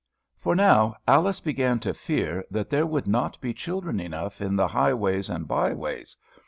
For now Alice began to fear that there would not be children enough in the highways and by ways.